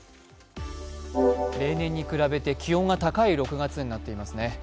例年に比べて気温が高い６月になっていますね。